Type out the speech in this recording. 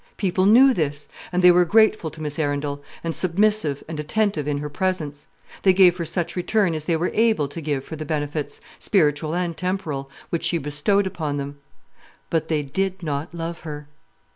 People knew this; and they were grateful to Miss Arundel, and submissive and attentive in her presence; they gave her such return as they were able to give for the benefits, spiritual and temporal, which she bestowed upon them: but they did not love her.